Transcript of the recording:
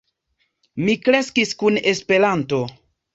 Mi kreskis kun Esperanto.